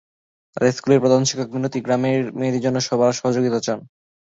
তাদের স্কুলের প্রধান শিক্ষক মিনতি গ্রামের মেয়েদের জন্য সবার সহযোগিতা চান।